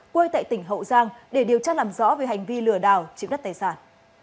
quê tại tỉnh hậu giang để điều tra làm rõ về hành vi lừa đảo chiếm đất tài sản